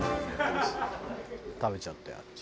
「食べちゃったよあっち」